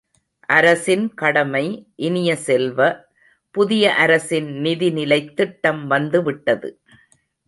அரசின் கடமை இனிய செல்வ, புதிய அரசின் நிதிநிலைத் திட்டம் வந்து விட்டது.